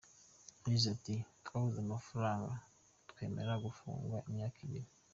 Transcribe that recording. Yagize ati “Twabuze amafaranga, twemera gufungwa imyaka ibiri.